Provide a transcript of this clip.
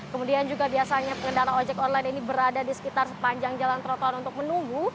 kemudian juga biasanya pengendara ojek online ini berada di sekitar sepanjang jalan trotoar untuk menunggu